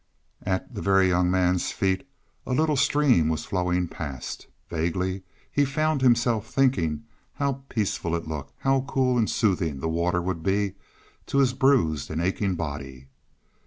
At the Very Young Man's feet a little stream was flowing past. Vaguely he found himself thinking how peaceful it looked; how cool and soothing the water would be to his bruised and aching body.